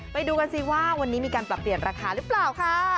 ไปดูกันสิว่าวันนี้มีการปรับเปลี่ยนราคาหรือเปล่าค่ะ